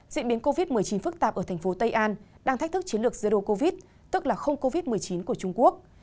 diễn biến covid một mươi chín phức tạp ở thành phố tây an đang thách thức chiến lược zero covid tức là không covid một mươi chín của trung quốc